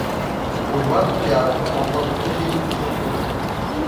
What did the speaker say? O embarque de água é uma forma terrível de tortura.